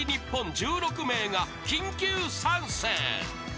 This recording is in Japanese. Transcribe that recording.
１６名が緊急参戦］